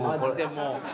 もう。